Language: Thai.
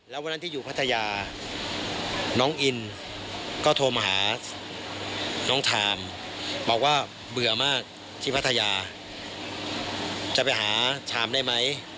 แล้ววันนั้นที่อยู่พัทยาน้องอินก็โทรมาหาน้องทามบอกว่าเบื่อมากที่พัทยาจะไปหาชามได้ไหม